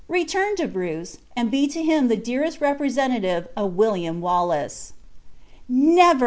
Return to Bruce, and be to him the dearest representative of William Wallace." "Never!"